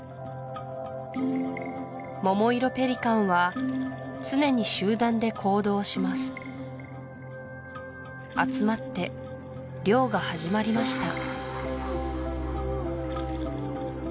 モモイロペリカンは常に集団で行動します集まって漁が始まりました